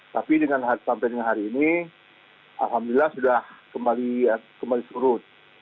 tapi sampai dengan hari ini alhamdulillah sudah kembali surut